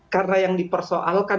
karena yang dipersoalkan